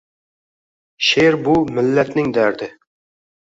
She’r bu– millatning dardi.